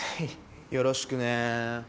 よろしくね。